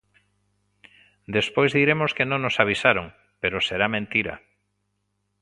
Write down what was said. Despois diremos que non nos avisaron, pero será mentira.